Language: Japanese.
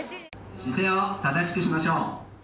姿勢を正しくしましょう。